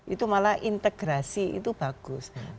itu malah integrasi itu bagus